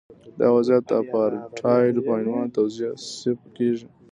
دا وضعیت د اپارټایډ په عنوان توصیف کیږي.